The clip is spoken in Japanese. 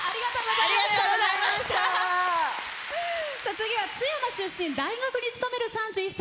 次は津山出身大学に勤める３１歳。